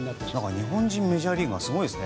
日本人メジャーリーガーがすごいですね。